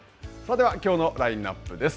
では、きょうのラインナップです。